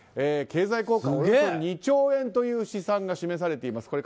経済効果はおよそ２兆円という試算が示されています。